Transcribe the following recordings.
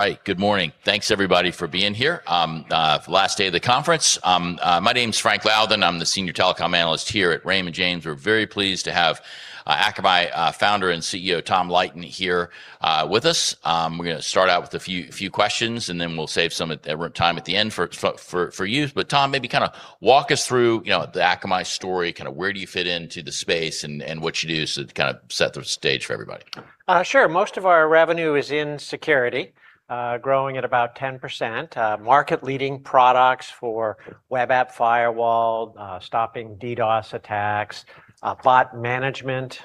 All right. Good morning. Thanks everybody for being here, last day of the conference. My name's Frank Louthan. I'm the Senior Telecom Analyst here at Raymond James. We're very pleased to have Akamai Founder and CEO, Tom Leighton here with us. We're gonna start out with a few questions, and then we'll save some time at the end for you. Tom, maybe kind of walk us through, you know, the Akamai story, kind of where do you fit into the space and what you do. To kind of set the stage for everybody. Sure. Most of our revenue is in Security, growing at about 10%. Market-leading products for web app firewall, stopping DDoS attacks, bot management,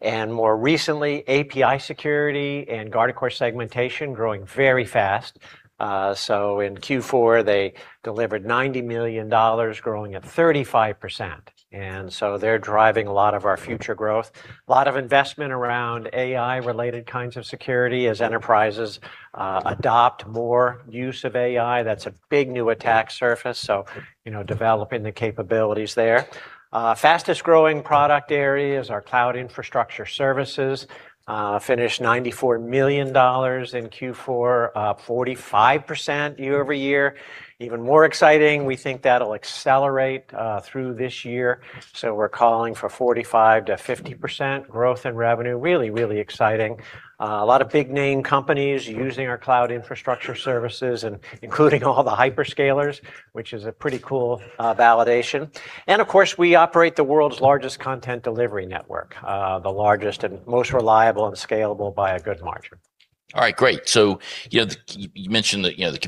and more recently API security and Guardicore segmentation growing very fast. In Q4, they delivered $90 million growing at 35%, and so they're driving a lot of our future growth. A lot of investment around AI related kinds of security as enterprises, adopt more use of AI, that's a big new attack surface. You know, developing the capabilities there. Fastest growing product area is our cloud infrastructure services. Finished $94 million in Q4, 45% year-over-year. Even more exciting, we think that'll accelerate through this year. We're calling for 45%-50% growth in revenue. Really, really exciting. A lot of big name companies using our cloud infrastructure services and including all the hyperscalers, which is a pretty cool validation. Of course, we operate the world's largest content delivery network, the largest and most reliable and scalable by a good margin. All right, great. You know, you mentioned that, you know, the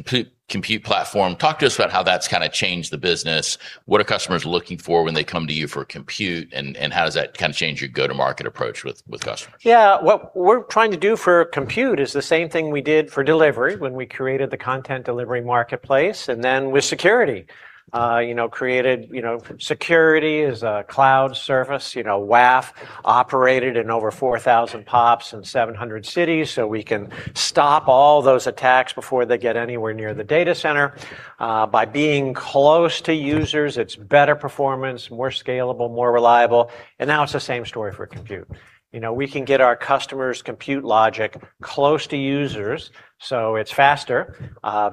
Compute platform. Talk to us about how that's kinda changed the business. What are customers looking for when they come to you for Compute, and how does that kinda change your go-to-market approach with customers? Yeah, what we're trying to do for Compute is the same thing we did for Delivery when we created the content delivery marketplace, and then with Security. You know, created, you know, Security as a cloud service. You know, WAF operated in over 4,000 PoPs in 700 cities, so we can stop all those attacks before they get anywhere near the data center. By being close to users, it's better performance, more scalable, more reliable, and now it's the same story for Compute. You know, we can get our customers' Compute logic close to users, so it's faster,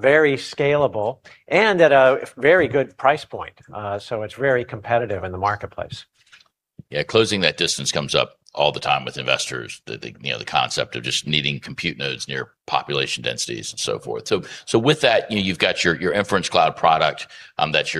very scalable, and at a very good price point. It's very competitive in the marketplace. Yeah. Closing that distance comes up all the time with investors. The, you know, the concept of just needing compute nodes near population densities and so forth. With that, you know, you've got your Inference Cloud product that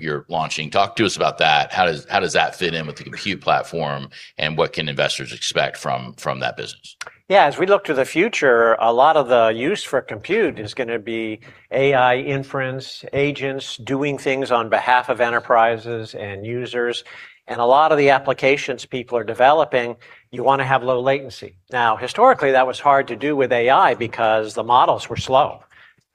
you're launching. Talk to us about that. How does that fit in with the Compute platform, and what can investors expect from that business? Yeah, as we look to the future, a lot of the use for Compute is gonna be AI inference, agents doing things on behalf of enterprises and users. A lot of the applications people are developing, you wanna have low latency. Now, historically, that was hard to do with AI because the models were slow,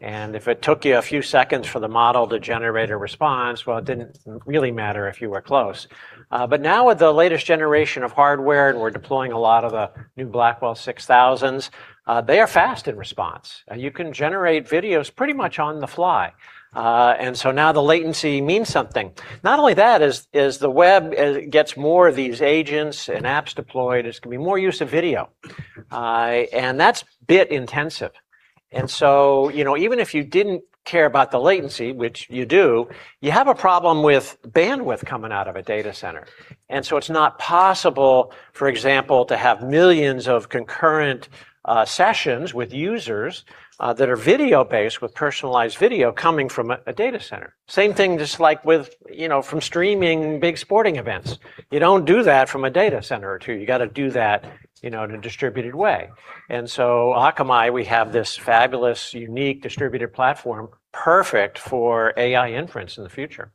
and if it took you a few seconds for the model to generate a response, well, it didn't really matter if you were close. But now with the latest generation of hardware, and we're deploying a lot of the new Blackwell 6,000s, they are fast in response. You can generate videos pretty much on the fly. Now the latency means something. Not only that, as the web gets more of these agents and apps deployed, it's gonna be more use of video. That's bit intensive. You know, even if you didn't care about the latency, which you do, you have a problem with bandwidth coming out of a data center. It's not possible, for example, to have millions of concurrent sessions with users that are video-based with personalized video coming from a data center. Same thing, just like with, you know, from streaming big sporting events. You don't do that from a data center or two. You gotta do that, you know, in a distributed way. Akamai, we have this fabulous, unique distributor platform perfect for AI inference in the future.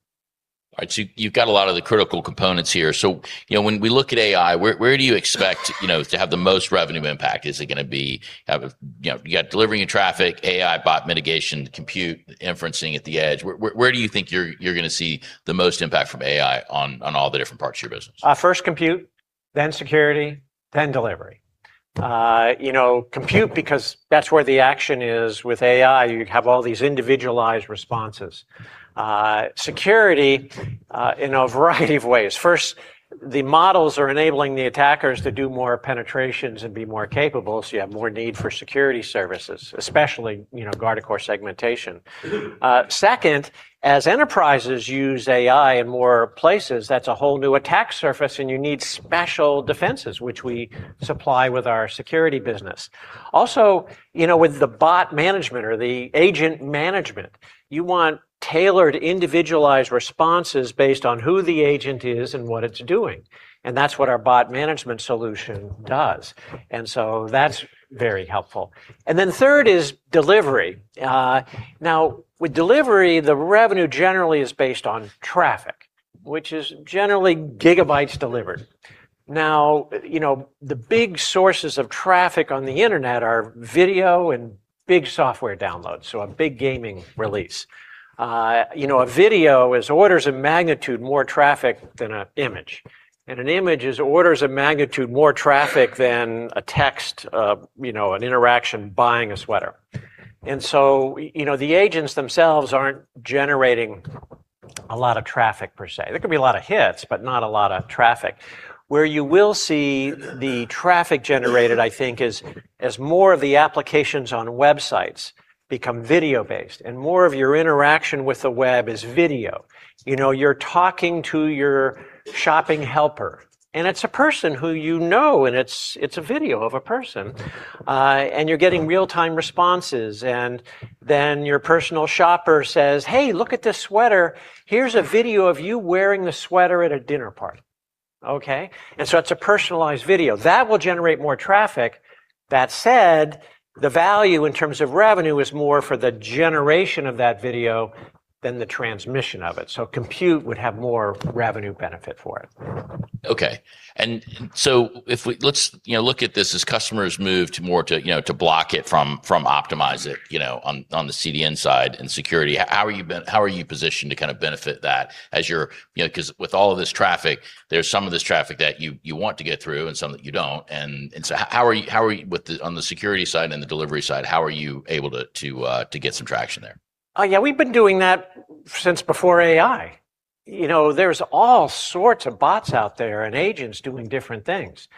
All right. You've got a lot of the critical components here. You know, when we look at AI, where do you expect, you know, to have the most revenue impact? Is it gonna be, you know, you got delivering traffic, AI bot mitigation, Compute, inferencing at the edge? Where, where do you think you're gonna see the most impact from AI on all the different parts of your business? First Compute, then Security, then Delivery. You know, Compute because that's where the action is. With AI, you have all these individualized responses. Security, in a variety of ways. First, the models are enabling the attackers to do more penetrations and be more capable, so you have more need for Security services, especially, you know, Guardicore segmentation. Second, as enterprises use AI in more places, that's a whole new attack surface, and you need special defenses, which we supply with our Security business. Also, you know, with the bot management or the agent management, you want tailored, individualized responses based on who the agent is and what it's doing, and that's what our bot management solution does. That's very helpful. Third is Delivery. Now with Delivery, the revenue generally is based on traffic, which is generally gigabytes delivered. you know, the big sources of traffic on the internet are video and big software downloads, so a big gaming release. you know, a video is orders of magnitude more traffic than a image, and an image is orders of magnitude more traffic than a text, you know, an interaction buying a sweater. you know, the agents themselves aren't generating a lot of traffic per se. There could be a lot of hits, but not a lot of traffic where you will see the traffic generated, I think is as more of the applications on websites become video-based and more of your interaction with the web is video. You know, you're talking to your shopping helper, it's a person who you know, it's a video of a person, you're getting real-time responses, your personal shopper says, "Hey, look at this sweater. Here's a video of you wearing the sweater at a dinner party." Okay? It's a personalized video. That will generate more traffic. That said, the value in terms of revenue is more for the generation of that video than the transmission of it. Compute would have more revenue benefit for it. Okay. Let's, you know, look at this as customers move to more to, you know, to block it from optimize it, you know, on the CDN side and Security. How are you positioned to kind of benefit that as you're? You know, 'cause with all of this traffic, there's some of this traffic that you want to get through and some that you don't. How are you on the Security side and the Delivery side, how are you able to get some traction there? Yeah, we've been doing that since before AI. You know, there's all sorts of bots out there and agents doing different things.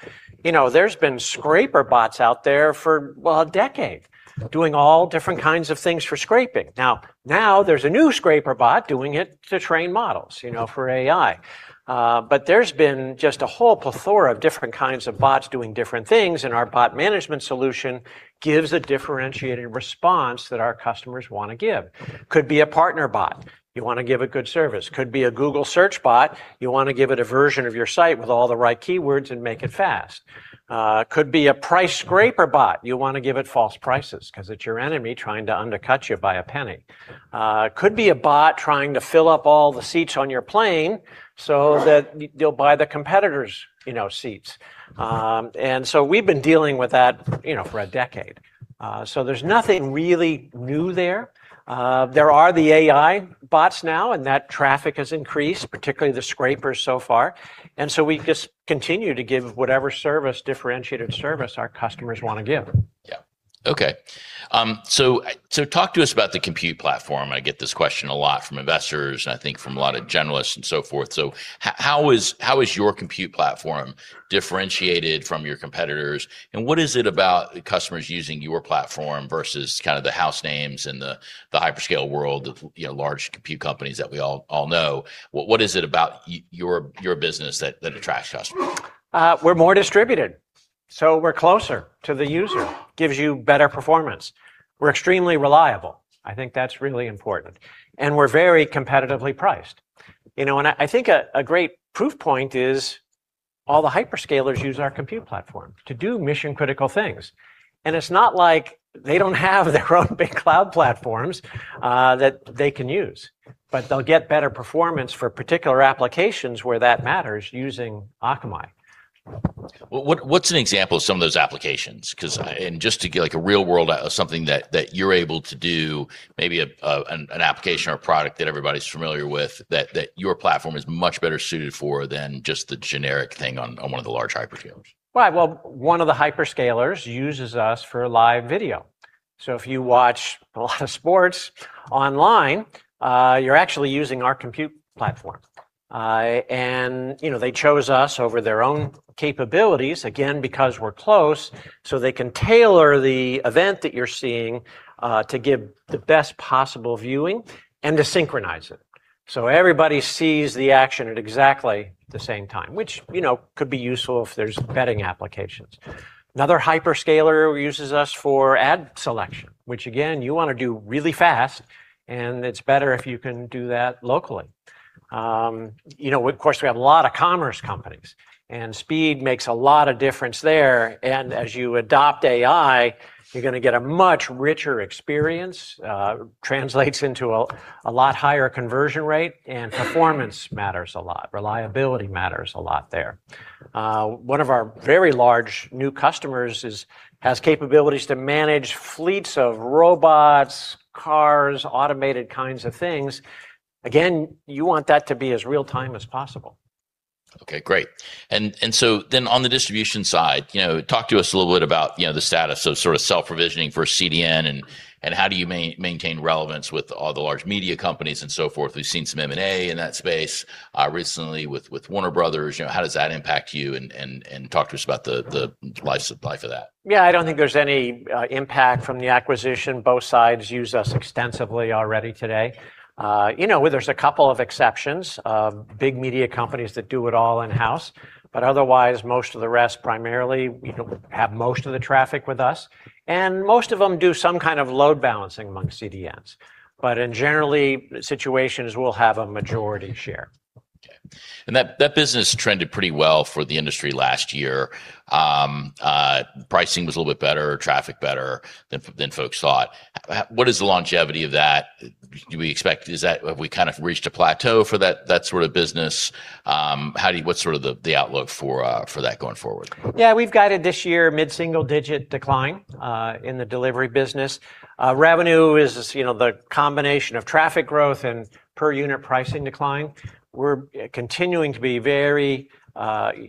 You know, there's been scraper bots out there for, well, a decade doing all different kinds of things for scraping. Now there's a new scraper bot doing it to train models, you know, for AI. There's been just a whole plethora of different kinds of bots doing different things, and our bot management solution gives a differentiated response that our customers wanna give. Could be a partner bot. You wanna give a good service. Could be a Google search bot. You wanna give it a version of your site with all the right keywords and make it fast. Could be a price scraper bot. You wanna give it false prices 'cause it's your enemy trying to undercut you by a penny. Could be a bot trying to fill up all the seats on your plane so that you'll buy the competitor's, you know, seats. We've been dealing with that, you know, for a decade. There's nothing really new there. There are the AI bots now, and that traffic has increased, particularly the scrapers so far. We just continue to give whatever service, differentiated service our customers wanna give. Yeah. Okay. Talk to us about the Compute platform. I get this question a lot from investors and I think from a lot of generalists and so forth. How is your Compute platform differentiated from your competitors, and what is it about customers using your platform versus kind of the house names and the hyperscale world of, you know, large Compute companies that we all know? What is it about your business that attracts customers? We're more distributed, so we're closer to the user, gives you better performance. We're extremely reliable. I think that's really important. We're very competitively priced. You know, I think a great proof point is all the hyperscalers use our Compute platform to do mission-critical things. It's not like they don't have their own big cloud platforms that they can use. They'll get better performance for particular applications where that matters using Akamai. Well, what's an example of some of those applications? 'Cause just to get like a real world something that you're able to do, maybe an application or a product that everybody's familiar with that your platform is much better suited for than just the generic thing on one of the large hyperscalers. Right. Well, one of the hyperscalers uses us for live video. If you watch a lot of sports online, you're actually using our Compute platform. You know, they chose us over their own capabilities, again, because we're close, so they can tailor the event that you're seeing to give the best possible viewing and to synchronize it. Everybody sees the action at exactly the same time, which, you know, could be useful if there's betting applications. Another hyperscaler uses us for ad selection, which again, you wanna do really fast, and it's better if you can do that locally. You know, of course, we have a lot of commerce companies, and speed makes a lot of difference there, and as you adopt AI, you're gonna get a much richer experience, translates into a lot higher conversion rate, and performance matters a lot. Reliability matters a lot there. One of our very large new customers has capabilities to manage fleets of robots, cars, automated kinds of things. Again, you want that to be as real-time as possible. Okay, great. On the distribution side, you know, talk to us a little bit about, you know, the status of sort of self-provisioning for CDN and how do you maintain relevance with all the large media companies and so forth. We've seen some M&A in that space, recently with Warner Brothers. You know, how does that impact you? And talk to us about the life supply for that. Yeah, I don't think there's any impact from the acquisition. Both sides use us extensively already today. You know, there's a couple of exceptions, big media companies that do it all in-house, but otherwise, most of the rest primarily, you know, have most of the traffic with us. Most of them do some kind of load balancing among CDNs. In generally, situations will have a majority share. Okay. That business trended pretty well for the industry last year. Pricing was a little bit better, traffic better than folks thought. What is the longevity of that? Have we kind of reached a plateau for that sort of business? What's sort of the outlook for that going forward? Yeah. We've guided this year mid-single digit decline in the Delivery business. Revenue is, you know, the combination of traffic growth and per unit pricing decline. We're continuing to be very,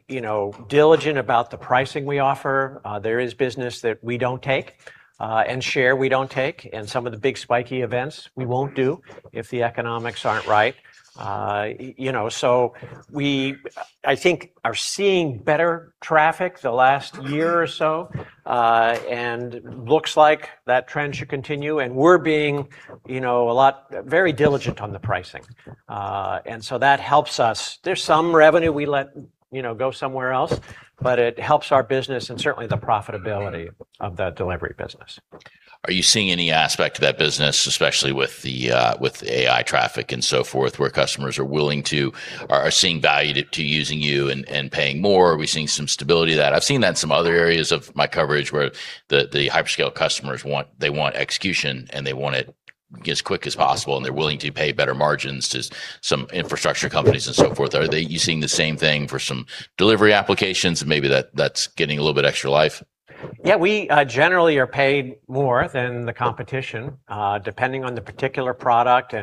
you know, diligent about the pricing we offer. There is business that we don't take, and share we don't take, and some of the big spiky events we won't do if the economics aren't right. You know, we, I think are seeing better traffic the last year or so. Looks like that trend should continue, and we're being, you know, very diligent on the pricing. That helps us. There's some revenue we let, you know, go somewhere else, but it helps our business and certainly the profitability of that Delivery business. Are you seeing any aspect of that business, especially with AI traffic and so forth, where customers are willing to or are seeing value to using you and paying more? Are we seeing some stability to that? I've seen that in some other areas of my coverage where the hyperscale customers want execution, and they want it as quick as possible, and they're willing to pay better margins to some infrastructure companies and so forth. Are you seeing the same thing for some Delivery applications? Maybe that's getting a little bit extra life. Yeah. We generally are paid more than the competition, depending on the particular product.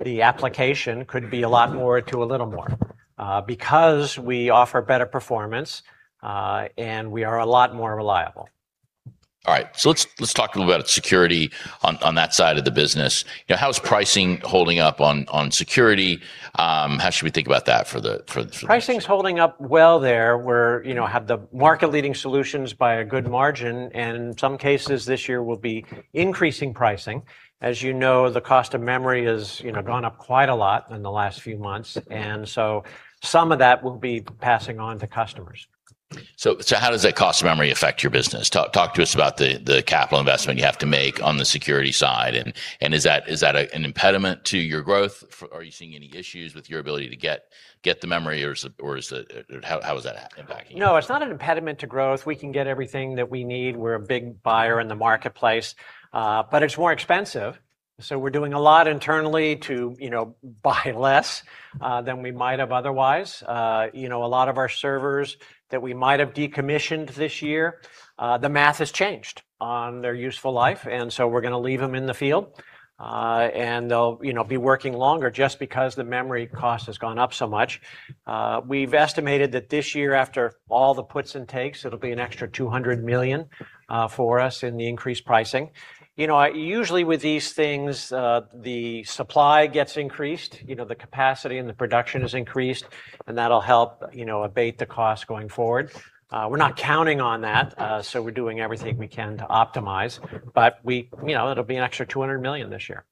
The application could be a lot more to a little more, because we offer better performance. We are a lot more reliable. All right. let's talk a little about Security on that side of the business. You know, how's pricing holding up on Security? How should we think about that for the? Pricing's holding up well there. We're, you know, have the market-leading solutions by a good margin. In some cases this year will be increasing pricing. As you know, the cost of memory has, you know, gone up quite a lot in the last few months. Some of that we'll be passing on to customers. How does that cost of memory affect your business? Talk to us about the capital investment you have to make on the Security side, and is that an impediment to your growth? Are you seeing any issues with your ability to get the memory or is it? How is that impacting you? No, it's not an impediment to growth. We can get everything that we need. We're a big buyer in the marketplace, but it's more expensive, so we're doing a lot internally to, you know, buy less than we might have otherwise. You know, a lot of our servers that we might have decommissioned this year, the math has changed on their useful life, and so we're gonna leave them in the field. They'll, you know, be working longer just because the memory cost has gone up so much. We've estimated that this year, after all the puts and takes, it'll be an extra $200 million for us in the increased pricing. You know, usually with these things, the supply gets increased, you know, the capacity and the production is increased, and that'll help, you know, abate the cost going forward. We're not counting on that, so we're doing everything we can to optimize. You know, it'll be an extra $200 million this year.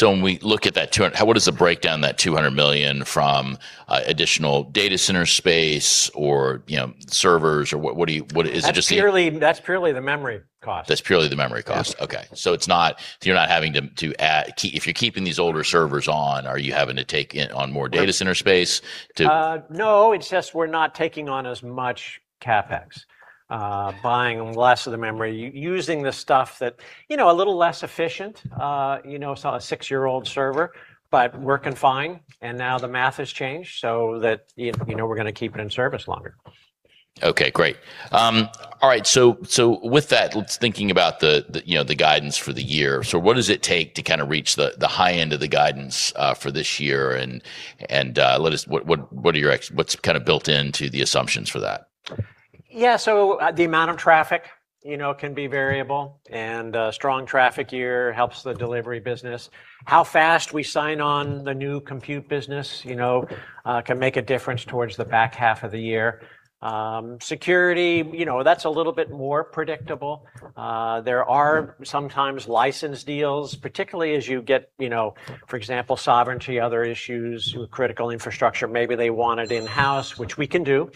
When we look at that 200, what is the breakdown of that $200 million from additional data center space or, you know, servers? Is it just the? That's purely the memory cost. That's purely the memory cost. Yes. Okay. You're not having to add if you're keeping these older servers on, are you having to take in on more data center space? No. It's just we're not taking on as much CapEx. Buying less of the memory, using the stuff that, you know, a little less efficient, you know. A six-year-old server, but working fine, and now the math has changed so that, you know, we're gonna keep it in service longer. Okay, great. All right. With that, thinking about the, you know, the guidance for the year. What does it take to kind of reach the high end of the guidance for this year? Let us... What are your What's kind of built into the assumptions for that? Yeah. The amount of traffic, you know, can be variable, and a strong traffic year helps the Delivery business. How fast we sign on the new Compute business, you know, can make a difference towards the back half of the year. Security, you know, that's a little bit more predictable. There are sometimes license deals, particularly as you get, you know, for example, sovereignty, other issues with critical infrastructure. Maybe they want it in-house, which we can do.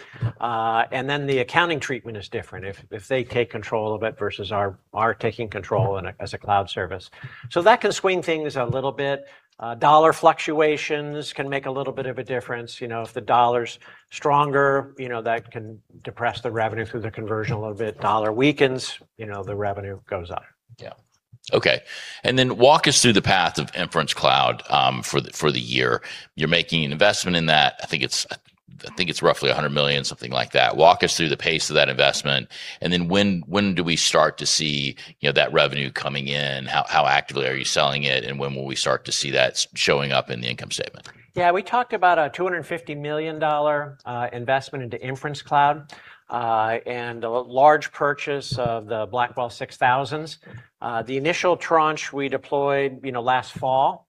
The accounting treatment is different if they take control of it versus our taking control as a cloud service. That can swing things a little bit. Dollar fluctuations can make a little bit of a difference. You know, if the dollar's stronger, you know, that can depress the revenue through the conversion a little bit. Dollar weakens, you know, the revenue goes up. Yeah. Okay. Walk us through the path of Inference Cloud for the, for the year. You're making an investment in that. I think it's roughly $100 million, something like that. Walk us through the pace of that investment, when do we start to see, you know, that revenue coming in? How actively are you selling it, when will we start to see that showing up in the income statement? Yeah. We talked about a $250 million investment into Inference Cloud and a large purchase of the Blackwell 6000s. The initial tranche we deployed, you know, last fall,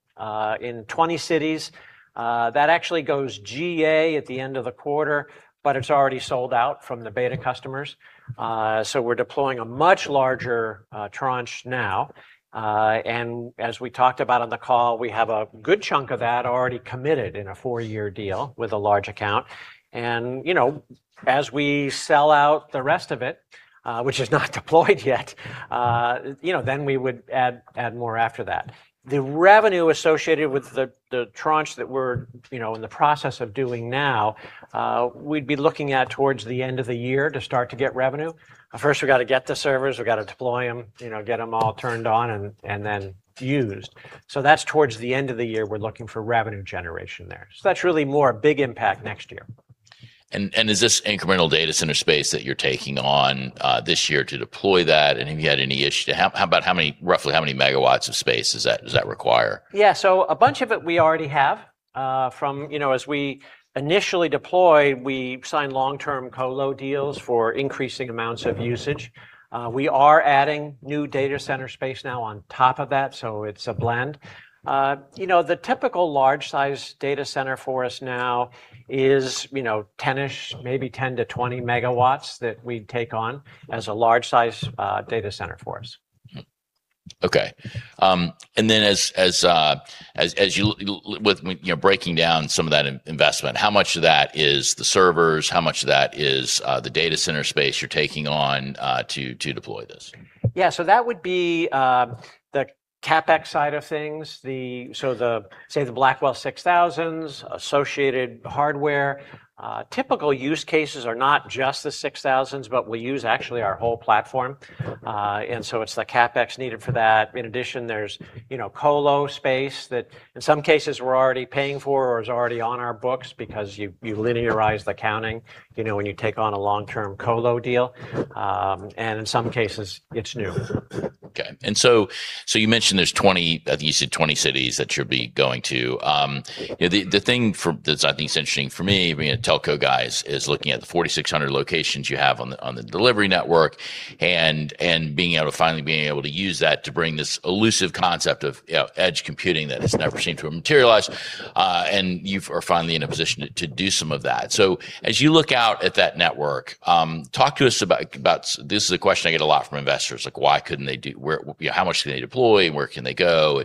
in 20 cities. That actually goes GA at the end of the quarter, but it's already sold out from the beta customers. We're deploying a much larger tranche now. As we talked about on the call, we have a good chunk of that already committed in a four-year deal with a large account. You know, as we sell out the rest of it, which is not deployed yet, you know, then we would add more after that. The revenue associated with the tranche that we're, you know, in the process of doing now, we'd be looking at towards the end of the year to start to get revenue. First, we gotta get the servers, we gotta deploy them, you know, get them all turned on and then used. That's towards the end of the year we're looking for revenue generation there. That's really more a big impact next year. Is this incremental data center space that you're taking on this year to deploy that? Have you had any issue? How about how many megawatts of space does that require? Yeah. A bunch of it we already have, from... You know, as we initially deploy, we sign long-term colo deals for increasing amounts of usage. We are adding new data center space now on top of that, so it's a blend. You know, the typical large size data center for us now is, you know, 10-ish, maybe 10-20 megawatts that we take on as a large size data center for us. Okay. As you with, you know, breaking down some of that investment, how much of that is the servers? How much of that is the data center space you're taking on to deploy this? Yeah. That would be the CapEx side of things. The Blackwell 6000s, associated hardware. Typical use cases are not just the 6000s, but we use actually our whole platform. It's the CapEx needed for that. In addition, there's, you know, colo space that in some cases we're already paying for or is already on our books because you linearize the accounting, you know, when you take on a long-term colo deal. In some cases it's new. Okay. You mentioned there's I think you said 20 cities that you'll be going to. You know, the thing that I think is interesting for me being a telco guy is looking at the 4,600 locations you have on the Delivery network and finally being able to use that to bring this elusive concept of, you know, edge computing that has never seemed to have materialized. Are finally in a position to do some of that. As you look out at that network, talk to us about this is a question I get a lot from investors, like why couldn't they do? You know, how much can they deploy and where can they go?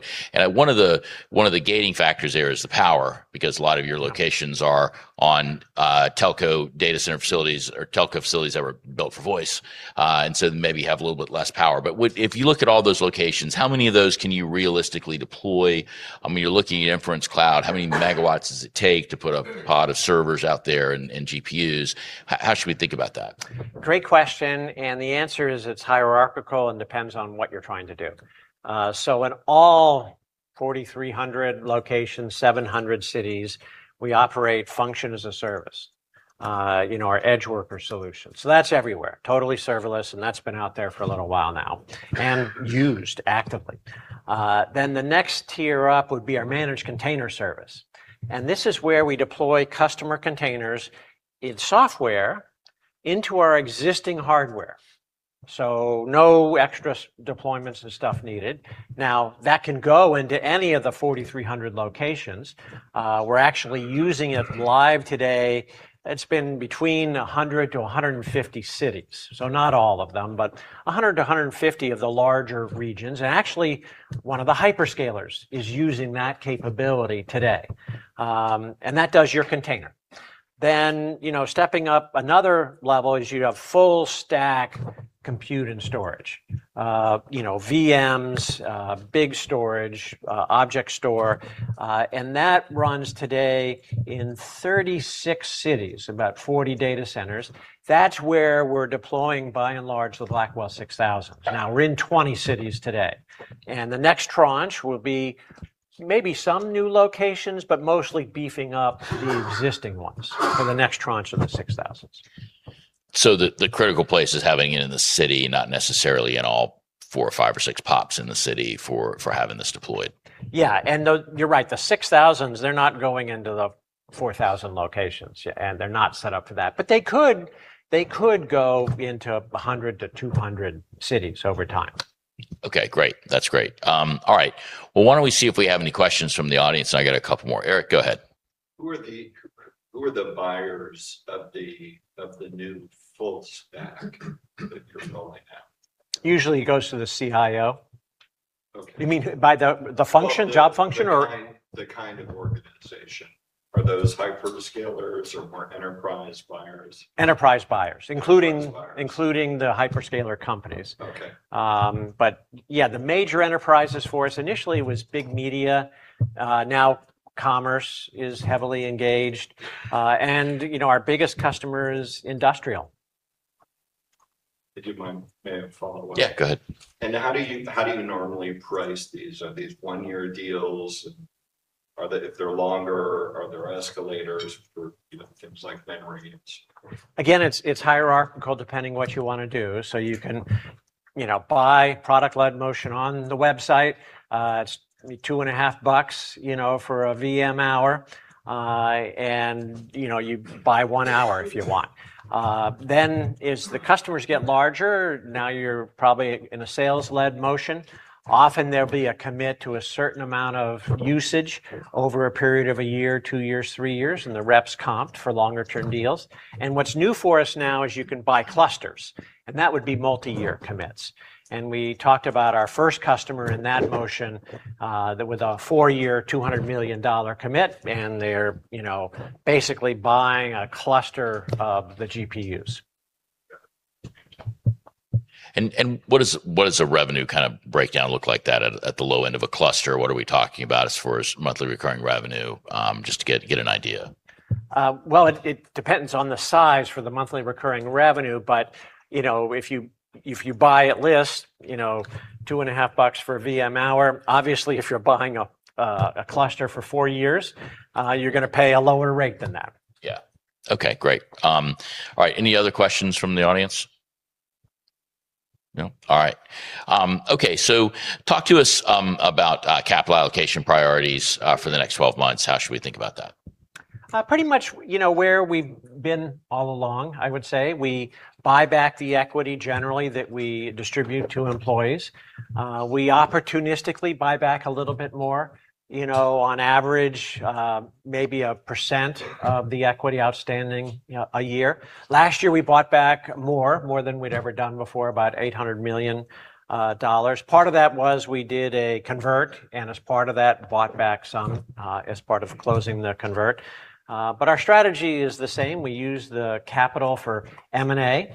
One of the gating factors there is the power because a lot of your locations are on telco data center facilities or telco facilities that were built for voice, and so maybe have a little bit less power. If you look at all those locations, how many of those can you realistically deploy? I mean, you're looking at Inference Cloud. How many megawatts does it take to put a pod of servers out there and GPUs? How should we think about that? Great question, the answer is it's hierarchical and depends on what you're trying to do. In all 4,300 locations, 700 cities, we operate function as a service, you know, our EdgeWorkers solution. That's everywhere. Totally serverless, and that's been out there for a little while now and used actively. The next tier up would be our managed container service, this is where we deploy customer containers in software into our existing hardware, so no extra deployments and stuff needed. That can go into any of the 4,300 locations. We're actually using it live today. It's been between 100-150 cities. Not all of them, but 100-150 of the larger regions. Actually, one of the hyperscalers is using that capability today. That does your container. You know, stepping up another level is you have full stack Compute and storage. You know, VMs, big storage, object store, and that runs today in 36 cities, about 40 data centers. That's where we're deploying by and large the Blackwell 6000. We're in 20 cities today, and the next tranche will be maybe some new locations, but mostly beefing up the existing ones for the next tranche of the 6000s. The critical place is having it in the city, not necessarily in all four or five or six PoPs in the city for having this deployed. Yeah. The... You're right. The 6000s, they're not going into the 4,000 locations. They're not set up for that. They could, they could go into 100-200 cities over time. Okay, great. That's great. All right. Why don't we see if we have any questions from the audience, and I got a couple more. Eric, go ahead. Who are the buyers of the new full stack that you're rolling out? Usually it goes to the CIO. Okay. You mean by the function, job function or? The kind of organization. Are those hyperscalers or more enterprise buyers? Enterprise buyers. Enterprise buyers. Including the hyperscaler companies. Okay. Yeah, the major enterprises for us initially was big media. Now commerce is heavily engaged. You know, our biggest customer is industrial. If you don't mind, may I follow up? Yeah, go ahead. How do you normally price these? Are these one-year deals? If they're longer, are there escalators for, you know, things like memory and so forth? Again, it's hierarchical depending what you wanna do. You can, you know, buy product-led motion on the website. It's two and a half bucks, you know, for a VM hour. And you know, you buy one hour if you want. As the customers get larger, now you're probably in a sales-led motion. Often there'll be a commit to a certain amount of usage over a period of a year, two years, three years, and the rep's comped for longer term deals. What's new for us now is you can buy clusters, and that would be multi-year commits. We talked about our first customer in that motion, that with a four-year, $200 million commit, and they're, you know, basically buying a cluster of the GPUs. Got it. What does a revenue kind of breakdown look like that at the low end of a cluster? What are we talking about as far as monthly recurring revenue, just to get an idea? Well, it depends on the size for the monthly recurring revenue. You know, if you, if you buy at list, you know, two and a half bucks for a VM hour, obviously, if you're buying a cluster for four years, you're gonna pay a lower rate than that. Yeah. Okay, great. All right. Any other questions from the audience? No? All right. Okay. Talk to us about capital allocation priorities for the next 12 months. How should we think about that? Pretty much, you know, where we've been all along, I would say. We buy back the equity generally that we distribute to employees. We opportunistically buy back a little bit more, you know, on average, maybe 1% of the equity outstanding a year. Last year, we bought back more than we'd ever done before, about $800 million. Part of that was we did a convertible, and as part of that, bought back some as part of closing the convertible. Our strategy is the same. We use the capital for M&A.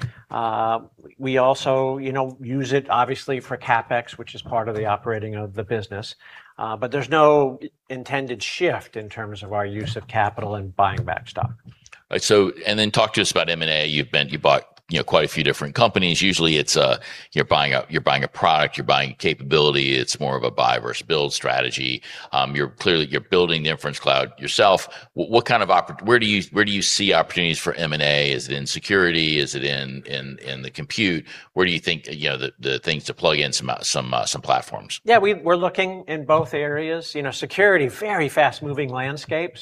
We also, you know, use it obviously for CapEx, which is part of the operating of the business. There's no intended shift in terms of our use of capital and buying back stock. Talk to us about M&A. You bought, you know, quite a few different companies. Usually, it's, you're buying a product, you're buying capability. It's more of a buy versus build strategy. You're building the Inference Cloud yourself. Where do you see opportunities for M&A? Is it in Security? Is it in the Compute? Where do you think, you know, the things to plug in some platforms? Yeah, we're looking in both areas. You know, security, very fast-moving landscape,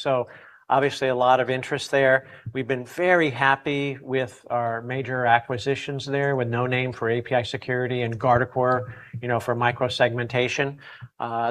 obviously a lot of interest there. We've been very happy with our major acquisitions there with Noname for API security and Guardicore, you know, for micro-segmentation.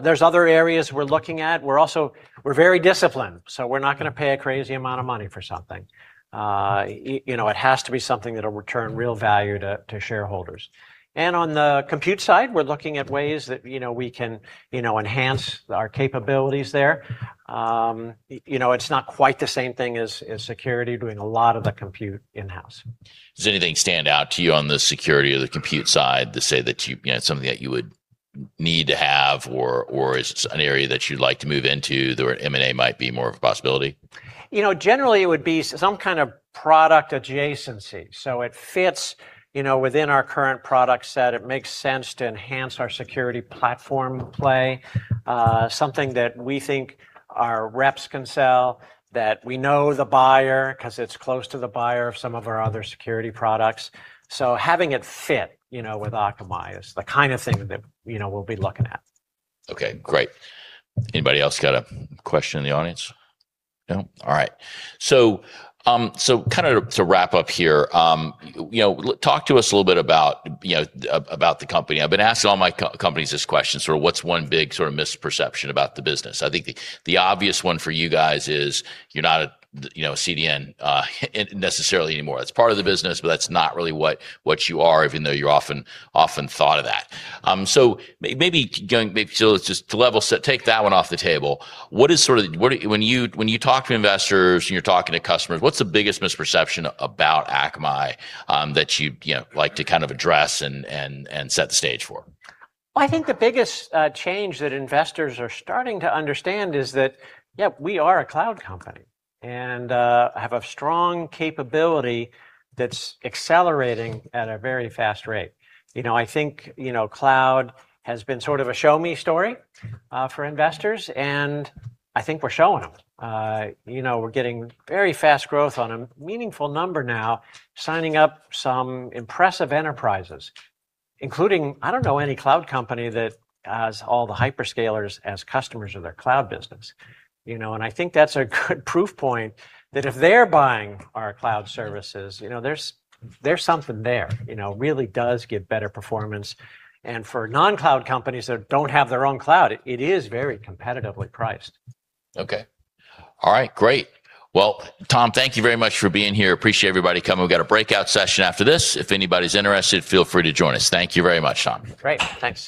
There's other areas we're looking at. We're also we're very disciplined, we're not gonna pay a crazy amount of money for something. You know, it has to be something that'll return real value to shareholders. On the Compute side, we're looking at ways that, you know, we can, you know, enhance our capabilities there. You know, it's not quite the same thing as Security doing a lot of the Compute in-house. Does anything stand out to you on the Security or the Compute side to say that you know, something that you would need to have or is an area that you'd like to move into where M&A might be more of a possibility? You know, generally it would be some kind of product adjacency. It fits, you know, within our current product set. It makes sense to enhance our Security platform play. Something that we think our reps can sell, that we know the buyer because it's close to the buyer of some of our other Security products. Having it fit, you know, with Akamai is the kind of thing that, you know, we'll be looking at. Okay, great. Anybody else got a question in the audience? No? All right. Kinda to wrap up here, you know, talk to us a little bit about, you know, about the company. I've been asking all my companies this question, sort of what's one big sorta misperception about the business? I think the obvious one for you guys is you're not a, you know, a CDN, necessarily anymore. That's part of the business, but that's not really what you are, even though you're often thought of that. Let's just to level set, take that one off the table. What is sorta... When you talk to investors and you're talking to customers, what's the biggest misperception about Akamai that you'd, you know, like to kind of address and set the stage for? I think the biggest change that investors are starting to understand is that, yeah, we are a cloud company and have a strong capability that's accelerating at a very fast rate. You know, I think, you know, cloud has been sort of a show me story for investors, and I think we're showing them. You know, we're getting very fast growth on a meaningful number now, signing up some impressive enterprises, including I don't know any cloud company that has all the hyperscalers as customers of their cloud business. You know, and I think that's a good proof point that if they're buying our cloud services, you know, there's something there. You know, really does give better performance. For non-cloud companies that don't have their own cloud, it is very competitively priced. Okay. All right, great. Well, Tom, thank you very much for being here. Appreciate everybody coming. We've got a breakout session after this. If anybody's interested, feel free to join us. Thank you very much, Tom. Great. Thanks.